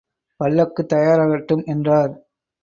பல்லக்குத் தயாராகட்டும் என்றார்.